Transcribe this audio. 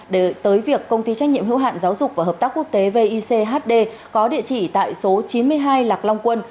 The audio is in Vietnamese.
để tới việc công ty trách nhiệm hữu hạn giáo dục và hợp tác quốc tế vichd có địa chỉ tại số chín mươi hai lạc long quân